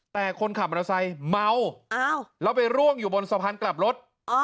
แต่คนขับมอเตอร์ไซค์เมาแล้วไปร่วงอยู่บนสะพานกลับรถ